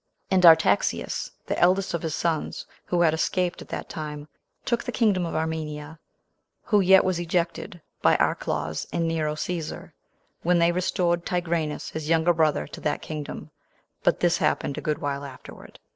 And Artaxias, the eldest of his sons, who had escaped at that time, took the kingdom of Armenia; who yet was ejected by Archelaus and Nero Cæsar, when they restored Tigranes, his younger brother, to that kingdom; but this happened a good while afterward.